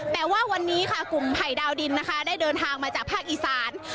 แต่ว่าวันนี้ค่ะกลุ่มไผ่ดาวดินนะคะได้เดินทางมาจากภาคอีสาน